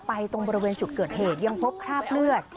ตรงบริเวณจุดเกิดเหตุยังพบคราบเลือด